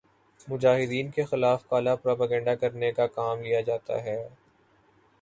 مجاہدین کے خلاف کالا پروپیگنڈا کرنے کا کام لیا جاتا ہے